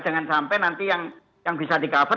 jangan sampai nanti yang bisa di cover